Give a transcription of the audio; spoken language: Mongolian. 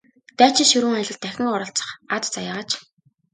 Дайчин ширүүн аялалд дахин оролцох аз заяагаач!